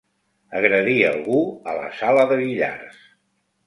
Agredir algú a la sala de billars.